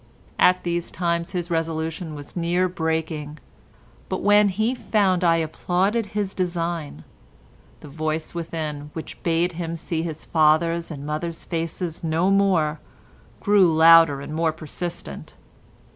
At these times his resolution was near breaking, but when he found I applauded his design, the voice within, which bade him see his father's and mother's faces no more, grew louder and more persistent.